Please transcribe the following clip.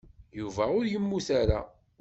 Yuba ur yemmut ara.